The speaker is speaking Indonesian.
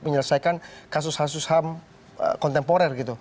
menyelesaikan kasus kasus ham kontemporer gitu